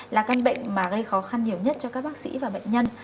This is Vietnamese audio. là căn bệnh mà gây khó khăn nhiều nhất cho các bác sĩ và bệnh nhân